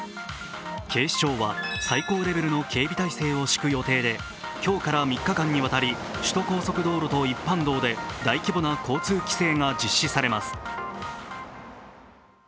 警視庁は最高レベルの警備態勢を敷く予定で今日から３日間にわたり首都高速道路と一般道で大規模な交通規制が実施されます。